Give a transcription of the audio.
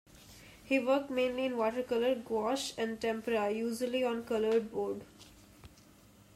He worked mainly in watercolor, gouache, and tempera, usually on colored board.